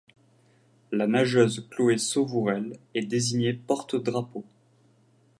La nageuse Chloé Sauvourel est désignée porte-drapeau.